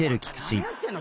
何やってんの？